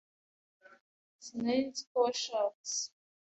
Sinari nzi ko washatse.